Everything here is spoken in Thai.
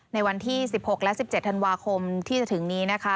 ในวันที่๑๖และ๑๗ธันวาคมที่จะถึงนี้นะคะ